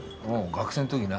学生ん時な。